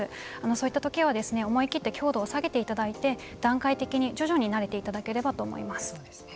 そういったときは思い切って強度を下げていただいて段階的に徐々に慣れていただければと思います。